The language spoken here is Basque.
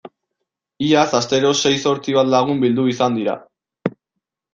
Iaz astero sei zortzi bat lagun bildu izan dira.